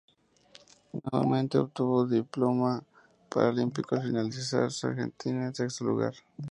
Nuevamente obtuvo diploma paralímpico al finalizar Argentina en sexto lugar.